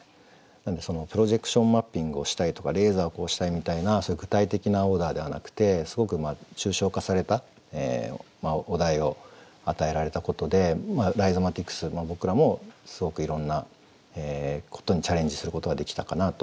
なんでプロジェクションマッピングをしたいとかレーザーをこうしたいみたいなそういう具体的なオーダーではなくてすごく抽象化されたお題を与えられたことでライゾマティクス僕らもすごくいろんなことにチャレンジすることができたかなと。